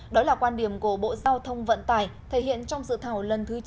đó là quan điểm của bộ giao thông vận tải thể hiện trong dự thảo lần thứ chín